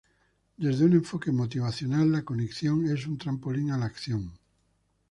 Desde un enfoque motivacional, la cognición es un "trampolín a la acción".